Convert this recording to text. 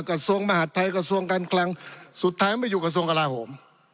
กระทรวงมหาดไทยกระทรวงการคลังสุดท้ายมาอยู่กระทรวงกลาโหม